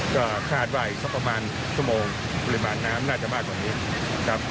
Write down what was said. ก็คาดว่าอีกสักประมาณชั่วโมงปริมาณน้ำน่าจะมากกว่านี้ครับ